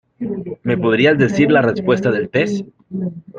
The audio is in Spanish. ¿Me podrías decir las respuestas del test?